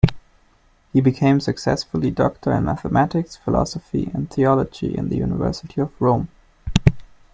He became successively doctor in mathematics, philosophy and theology in the university of Rome.